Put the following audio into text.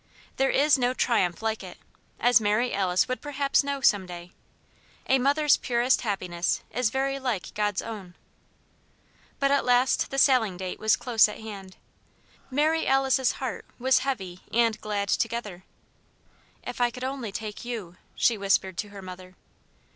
There is no triumph like it, as Mary Alice would perhaps know, some day. A mother's purest happiness is very like God's own. But at last the sailing date was close at hand. Mary Alice's heart was heavy and glad together. "If I could only take you!" she whispered to her mother.